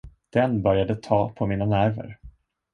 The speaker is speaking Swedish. Den började ta på mina nerver.